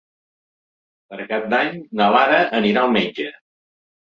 Per Cap d'Any na Lara anirà al metge.